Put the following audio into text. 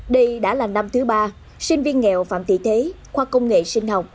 đây đã là năm thứ ba sinh viên nghèo phạm thị thế khoa công nghệ sinh học